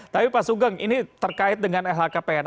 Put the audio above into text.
tapi pak sugeng ini terkait dengan lhkpn